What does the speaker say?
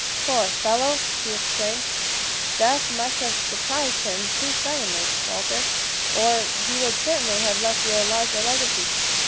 "Poor fellow!" he exclaimed. "Death must have surprised him too suddenly, Walter, or he would certainly have left you a larger legacy.